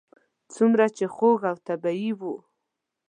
څومره چې خوږ او طبیعي و.